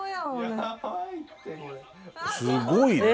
すごいね。